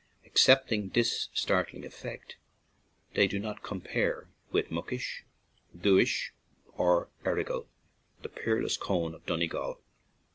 Excepting this startling effect, they do not compare with Muckish, Dooish, or Errigal, the "peerless cone" of Donegal.